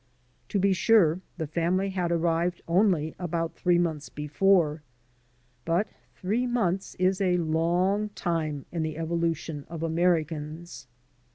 To be sure, the family had arrived only about three months before, but three months is a long time in the evolution of Americans.